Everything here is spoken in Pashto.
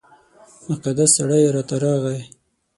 مقدس سړی راته راغی.